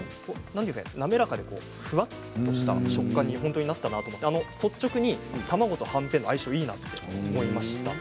滑らかでふわっとした食感で率直に卵とはんぺんの相性がいいと思いました。